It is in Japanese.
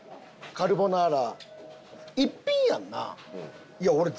カルボナーラ。